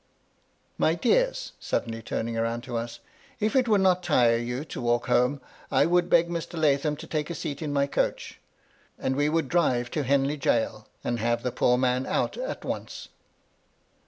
My dears 1" suddenly turning round to us, " if it would not tire you to walk home, I would beg Mr. Lathom to take a seat in my coach, and we would drive to Henley Gaol, and have the poor man out at once."